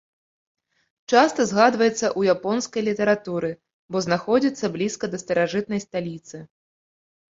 Часта згадваецца ў японскай літаратуры, бо знаходзіцца блізка да старажытнай сталіцы.